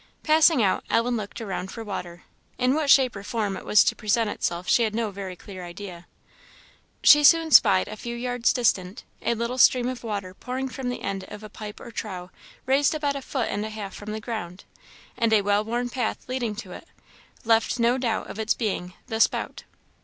Passing out, Ellen looked around for water in what shape or form it was to present itself she had no very clear idea. She soon spied, a few yards distant, a little stream of water pouring from the end of a pipe or trough raised about a foot and a half from the ground; and a well worn path leading to it, left no doubt of its being "the spout."